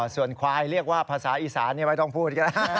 ส่วนควายเรียกว่าภาษาอีสานไม่ต้องพูดก็ได้